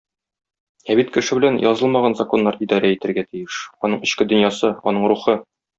Ә бит кеше белән язылмаган законнар идарә итәргә тиеш, аның эчке дөньясы, аның рухы.